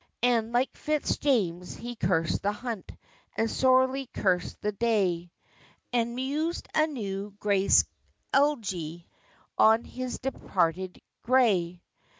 And, like Fitzjames, he cursed the hunt, And sorely cursed the day, And mused a new Gray's elegy On his departed gray!